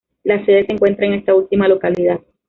La sede se encuentra en esta última localidad.